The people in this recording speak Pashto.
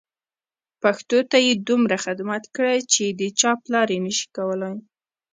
پښتو ته یې دومره خدمت کړی چې د چا پلار یې نه شي کولای.